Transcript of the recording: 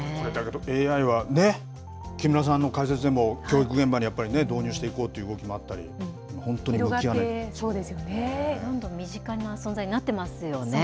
ＡＩはね、木村さんの解説でも、教育現場に導入していこうっていう動きがあったり、本当に向き合どんどん身近な存在になってますよね。